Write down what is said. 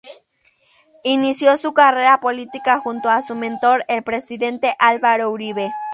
Inició su carrera política junto a su mentor el presidente Álvaro Uribe.